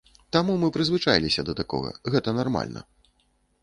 Таму мы прызвычаіліся да такога, гэта нармальна.